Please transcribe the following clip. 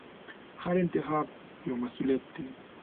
هر انتخاب یو مسوولیت لري.